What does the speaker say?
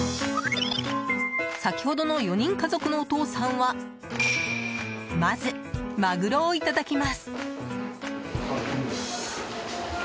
先ほどの４人家族のお父さんはまず、マグロをいただきます。